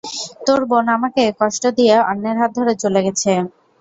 তোর বোন আমাকে কষ্ট দিয়ে অন্যের হাত ধরে চলে গেছে।